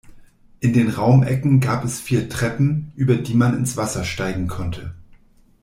In den Raumecken gab es vier Treppen, über die man ins Wasser steigen konnte.